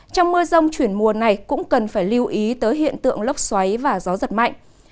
trong mưa rông chuyển mùa này cũng cần phải lưu ý tới hiện tượng lốc xoáy và gió giật mạnh